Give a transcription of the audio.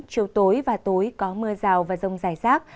chiều tối và tối có mưa rào và rông rải rác